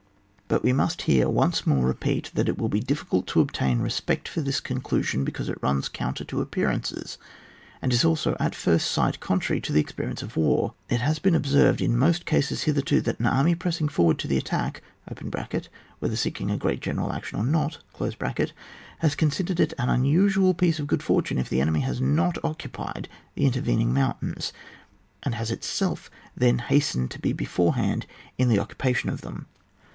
But we must here once more repeat that it will be difiicult to obtain respect for this conclusion, because it runs coun* ter to appearances, and is also, at first sight, contrary to the experience of war. It has been observed, in most cases hitherto, that an army pressing forward to the attack (whether seeking a great general action or not), has considered it an unusual piece of good fortune if the enemy has not occupied the intervening mountains, and has itself then hastened to be beforehand in the occupation of them.